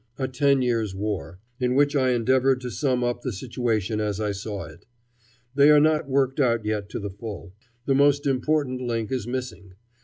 "] "A Ten Years' War," in which I endeavored to sum up the situation as I saw it. They are not worked out yet to the full. The most important link is missing.